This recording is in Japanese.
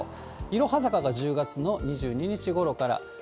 いろは坂が１０月の２２日ごろから。